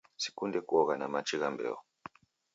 Sikunde kuogha na machi gha mbeo